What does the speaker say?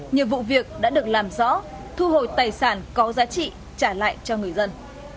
nhiều vụ việc đã được làm rõ thu hồi tài sản có giá trị trả lại cho người dân